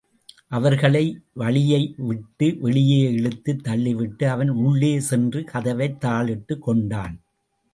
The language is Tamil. அவர்களை வழியைவிட்டு வெளியே இழுத்துத் தள்ளிவிட்டு அவன் உள்ளே சென்று கதவைத் தாழிட்டுக் கொண்டான்.